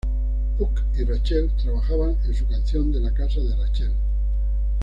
Puck y Rachel trabajan en su canción en la casa de Rachel.